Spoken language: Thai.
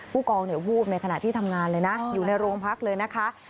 ผู้กองวูบในขณะที่ทำงานเลยนะอยู่ในโรงพักเลยนะคะ